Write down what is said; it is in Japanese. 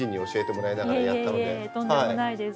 とんでもないです。